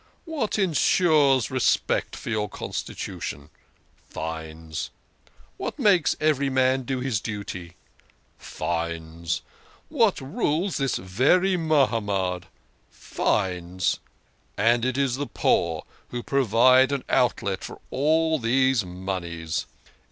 What ensures respect for your constitution ? Fines. What makes every man do his duty? Fines. What rules this very Mahamad ? Fines. And it is the poor who pro vide an outlet for all these moneys.